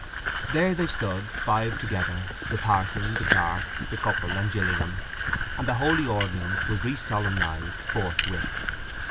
There they stood, five altogether: the parson, the clerk, the couple, and Gillingham; and the holy ordinance was resolemnized forthwith.